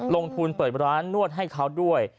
ลงทุนเปิดร้านนวดให้เขาด้วย